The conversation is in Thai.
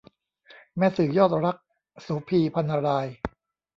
แม่สื่อยอดรัก - โสภี พรรณราย